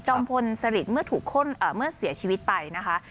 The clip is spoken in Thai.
จอมพลสลิตเมื่อเสียชีวิตไปนะคะ